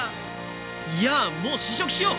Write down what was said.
いやもう試食しよ！